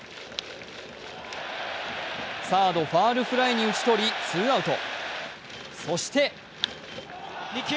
サードファウルフライに打ち取りツーアウト。